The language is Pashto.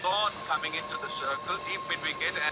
نارس ماشومان څنګه ساتل کیږي؟